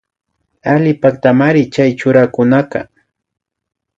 Alli paktamanri chay churakunaka